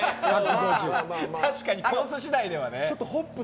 確かにコース次第ではね。